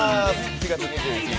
７月２１日